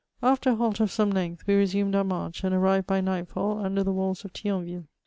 After a halt of some length, we resumed our march, and arrived by night fall under the walls of Thionville.